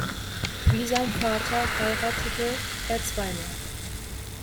Wie sein Vater heiratete er zweimal.